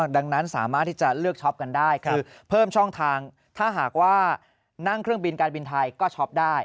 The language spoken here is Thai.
ดังนั้นสามารถที่จะเลือกช็อปกันได้คือเพิ่มช่องทางถ้าหากว่านั่งเครื่องบินการบินไทยก็ช็อปได้